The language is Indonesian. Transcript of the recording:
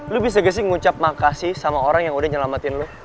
lu bisa gak sih ngucap makasih sama orang yang udah nyelamatin lu